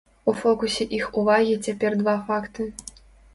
У фокусе іх увагі цяпер два факты.